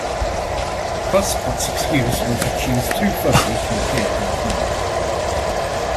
Fuss Pot's excuse was that she was too fussy to appear in the comic.